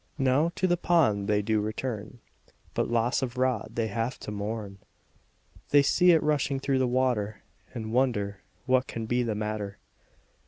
Now to the pond they do return, But loss of rod they have to mourn, They see it rushing through the water, And wonder what can be the matter.